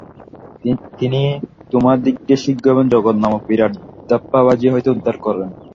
তিনি তোমাদিগকে শীঘ্র এই জগৎ নামক বিরাট ধাপ্পাবাজি হইতে উদ্ধার করুন।